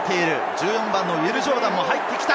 １４番のウィル・ジョーダンも入ってきた！